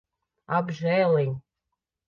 Apžēliņ.